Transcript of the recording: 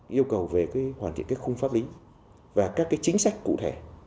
yêu cầu về hoàn thiện các khung pháp lý và các chính sách cụ thể